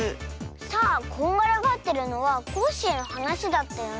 さあこんがらがってるのはコッシーのはなしだったよね。